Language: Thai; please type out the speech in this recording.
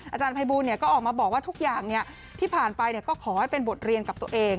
อาจารย์ภัยบูลก็ออกมาบอกว่าทุกอย่างที่ผ่านไปก็ขอให้เป็นบทเรียนกับตัวเอง